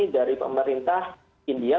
dari pemerintah india